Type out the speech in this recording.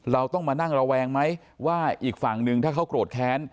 เราต้องมานั่งระแวงไหมว่าอีกฝั่งหนึ่งถ้าเขาโกรธแค้น